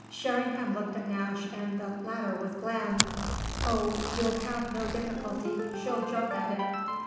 Sherringham looked at Nash and the latter was bland. "Oh you'll have no difficulty. She'll jump at it!"